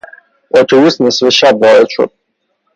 اتوبوس نصف شب وارد شد.